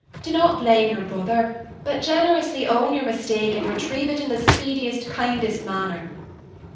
Do not blame your brother, but generously own your mistake and retrieve it in the speediest, kindest manner."